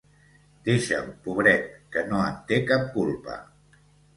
Deixa'l, pobret, que no en té cap culpa.